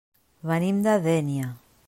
Venim de Dénia.